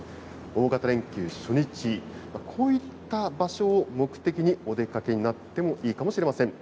大型連休初日、こういった場所を目的にお出かけになってもいいかもしれません。